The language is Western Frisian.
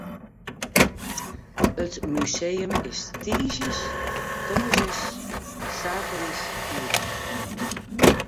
It museum is tiisdeis, tongersdeis en saterdeis iepen.